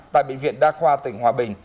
tại bệnh viện đa khoa tỉnh hòa bình